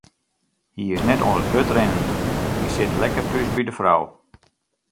Hy is net oan it hurdrinnen, hy sit lekker thús by de frou.